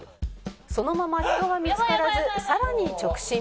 「そのまま人は見つからずさらに直進」